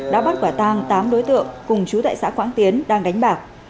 đã bắt quả tang tám đối tượng cùng chú tại xã quảng tiến đang đánh bạc